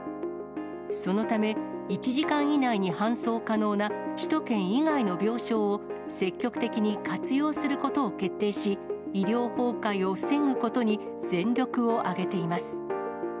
そのため、１時間以内に搬送可能な首都圏以外の病床を、積極的に活用することを決定し、医療崩壊を防ぐことに全力を挙げています。